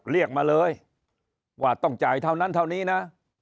เรียกมาเลยว่าต้องจ่ายเท่านั้นเท่านี้นะ